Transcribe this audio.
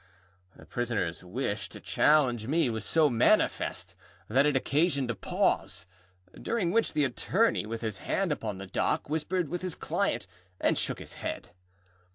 The prisonerâs wish to challenge me was so manifest, that it occasioned a pause, during which the attorney, with his hand upon the dock, whispered with his client, and shook his head.